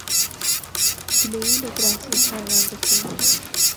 گلەیی لە دراوسێکانمان دەکەین.